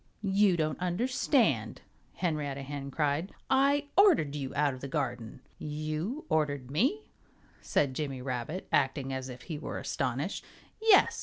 "You don't understand," Henrietta Hen cried. "I ordered you out of the garden." "You ordered me?" said Jimmy Rabbit, acting as if he were astonished. "Yes!"